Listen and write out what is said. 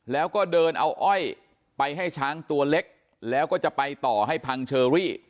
แล้วก็เดินเอาอ้อยไปให้ช้างตัวเล็กแล้วก็จะไปต่อให้พังเชอรี่